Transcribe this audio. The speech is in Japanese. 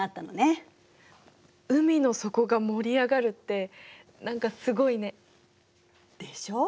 海の底が盛り上がるって何かすごいね。でしょう？